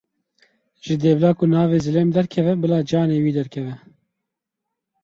Ji dêvla ku navê zilêm derkeve bila canê wî derkeve.